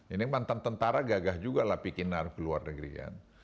ini mantan tentara gagah juga lah pikiran ke luar negeri kan